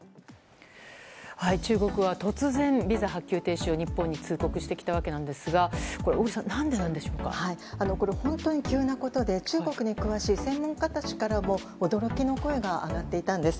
中国は突然、ビザ発給停止を日本に通告してきたわけですが本当に急なことで中国に詳しい専門家たちからも驚きの声が上がっていたんです。